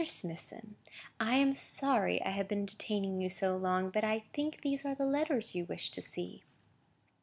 Smithson, I am sorry I have been detaining you so long, but I think these are the letters you wished to see."